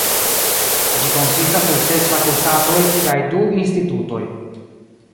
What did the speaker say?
Ĝi konsistas el ses fakultatoj kaj du institutoj.